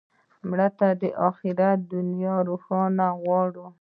مړه ته د آخرت دنیا روښانه غواړو